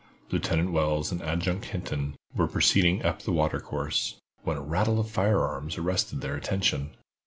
Lieutenant Wells and Adjutant Hinton were proceeding up the watercourse, when a rattle of fire arms arrested their attention.